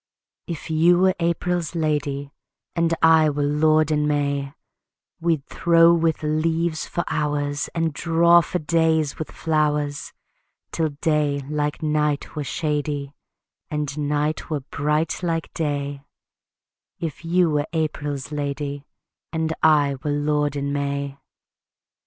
If you were April's lady, And I were lord in May, We'd throw with leaves for hours And draw for days with flowers, Till day like night were shady And night were bright like day; If you were April's lady, And I were lord in May.